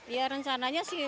ya rencananya sih mau